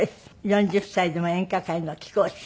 ４０歳でも演歌界の貴公子。